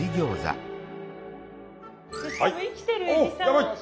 生きてるえびさん。